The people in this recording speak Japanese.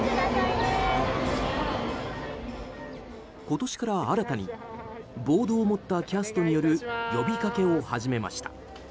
今年から新たにボードを持ったキャストによる呼びかけを始めました。